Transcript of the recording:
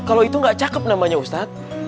kalau itu gak cakep namanya ustadz